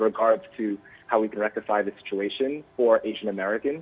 bagaimana kita bisa mengatasi situasi ini untuk orang asia amerika